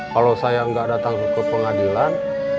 kalau saya nggak datang ke pengadilan